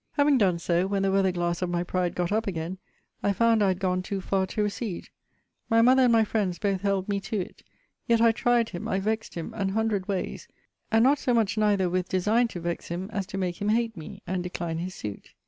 Having done so, when the weather glass of my pride got up again, I found I had gone too far to recede. My mother and my friends both held me to it. Yet I tried him, I vexed him, an hundred ways; and not so much neither with design to vex him, as to make him hate me, and decline his suit.